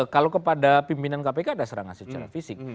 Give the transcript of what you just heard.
kalau kepada pimpinan kpk ada serangan secara fisik